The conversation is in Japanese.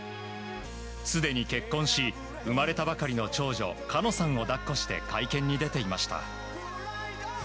すでに結婚し生まれたばかりの長女叶望さんを抱っこして会見に出ていました。